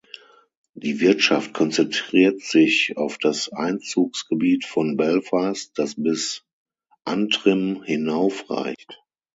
Die Wirtschaft konzentriert sich auf das Einzugsgebiet von Belfast, das bis Antrim hinaufreicht.